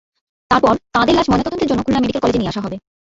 তারপর তাঁদের লাশ ময়নাতদন্তের জন্য খুলনা মেডিকেল কলেজে নিয়ে আসা হবে।